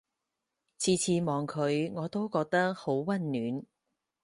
次次望佢我都覺得好溫暖